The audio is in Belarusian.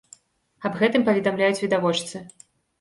Аб гэтым паведамляюць відавочцы.